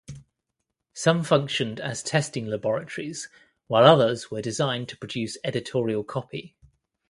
Some functioned as testing laboratories, while others were designed to produce editorial copy.